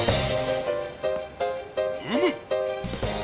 うむ！